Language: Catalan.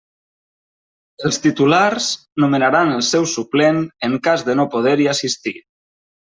Els titulars nomenaran el seu suplent, en cas de no poder-hi assistir.